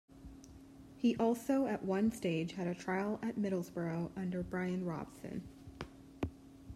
He also at one stage had a trial at Middlesbrough under Bryan Robson.